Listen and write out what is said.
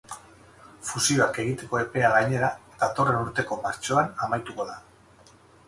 Fusioak egiteko epea gainera, datorren urteko martxoan amaituko da.